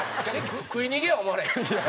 食い逃げや思われへん？